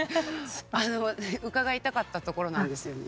あの伺いたかったところなんですよね。